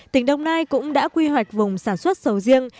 tỉnh đồng nai cũng đã quy hoạch vùng sản xuất sầu riêng